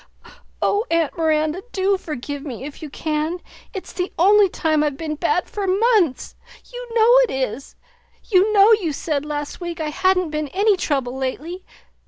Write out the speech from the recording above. "Oh! Aunt Miranda, do forgive me if you can. It's the only time I've been bad for months! You know it is! You know you said last week I hadn't been any trouble lately.